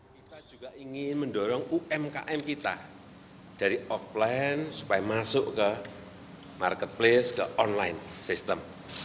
kita juga ingin mendorong umkm kita dari offline supaya masuk ke marketplace ke online system